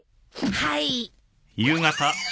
はい。